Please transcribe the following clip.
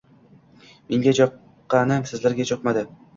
Menga joqqani sizlarga jokmajdi